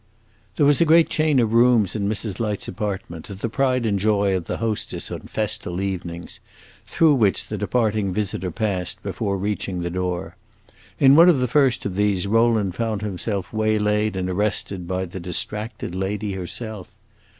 There was a great chain of rooms in Mrs. Light's apartment, the pride and joy of the hostess on festal evenings, through which the departing visitor passed before reaching the door. In one of the first of these Rowland found himself waylaid and arrested by the distracted lady herself.